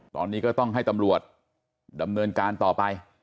ตอนนี้ก็ต้องให้ตำรวจดำเนินการต่อไป